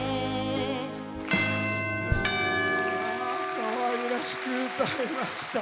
かわいらしく歌いました。